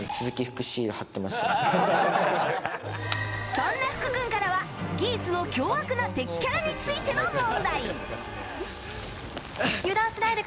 そんな福君からは「ギーツ」の凶悪な敵キャラについての問題。